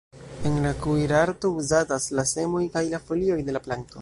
En la kuirarto uzatas la semoj kaj la folioj de la planto.